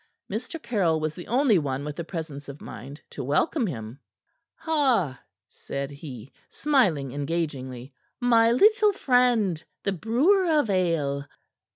Mr. Caryll was the only one with the presence of mind to welcome him. "Ha!" said he, smiling engagingly. "My little friend, the brewer of ale."